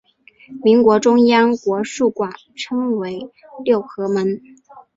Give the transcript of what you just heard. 民国中央国术馆称为六合门。